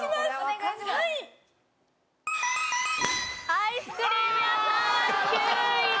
アイスクリーム屋さんは９位です。